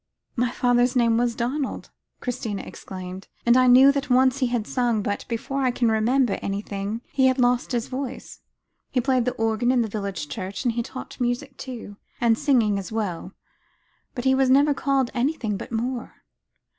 "My father's name was Donald," Christina exclaimed. "And I knew that once he had sung, but before I can remember anything he had lost his voice; he played the organ in the village church, and he taught music, too, and singing as well. But he was never called anything but Moore.